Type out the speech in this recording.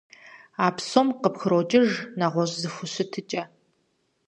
А псом къыпкърокӀыж нэгъуэщӀ зэхущытыкӀэ.